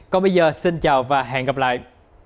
còn bây giờ xin chào và hẹn gặp lại